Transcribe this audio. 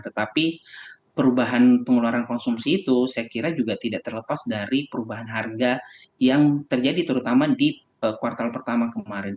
tetapi perubahan pengeluaran konsumsi itu saya kira juga tidak terlepas dari perubahan harga yang terjadi terutama di kuartal pertama kemarin